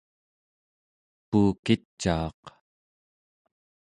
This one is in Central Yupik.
puukicaaq